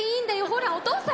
ほらおとうさん。